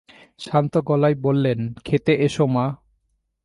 শান্ত গলায় বললেন, খেতে এস মা।